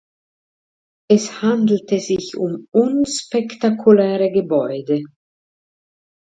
Es handelte sich um unspektakuläre Gebäude.